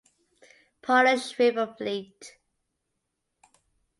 "Polish River Fleet"